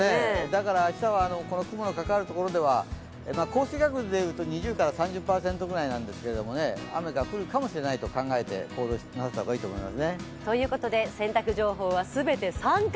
だから明日は雲のかかるところでは降水確率でいうと２０３０％ぐらいなんですけど、雨が降るかもしれないと考えて行動した方がいいかもしれませんね。ということで洗濯情報は全て△。